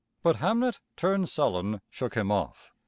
But Hamnet, turned sullen, shook him off.